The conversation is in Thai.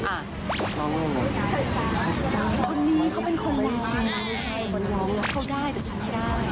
ไม่ใช่คนร้องแล้วเขาได้แต่ฉันไม่ได้